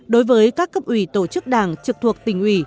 đối với các cấp ủy tổ chức đảng trực thuộc tỉnh ủy